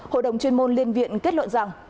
hội đồng chuyên môn liên viện kết luận rằng